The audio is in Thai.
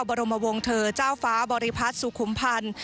บรมวงเธอเจ้าฟ้าบริพัฒน์สุขุมพันธ์